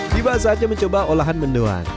tiba saatnya mencoba olahan mendoan